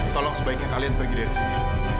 tolong sebaiknya kalian pergi dari sini